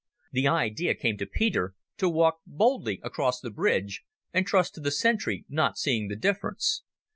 The idea came to Peter to walk boldly across the bridge and trust to the sentry not seeing the difference.